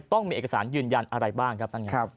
ต้องมีเอกสารยืนยันอะไรบ้างครับ